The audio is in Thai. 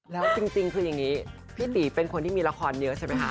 แล้วจริงคืออย่างนี้พี่ตีเป็นคนที่มีละครเยอะใช่ไหมคะ